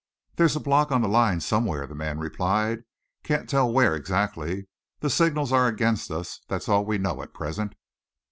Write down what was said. "There's a block on the line somewhere," the man replied. "Can't tell where exactly. The signals are against us; that's all we know at present."